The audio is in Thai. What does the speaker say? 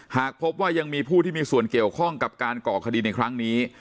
หากพบว่ายังมีผู้ที่มีส่วนเกี่ยวข้องกับการก่อคดีในครั้งนี้